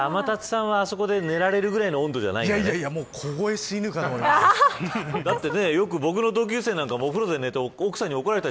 天達さんはあそこで寝られるくらいの温度じゃないんだね。